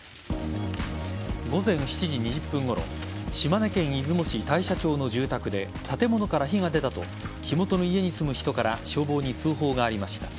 午前７時２０分ごろ島根県出雲市大社町の住宅で建物から火が出たと火元の家に住む人から消防に通報がありました。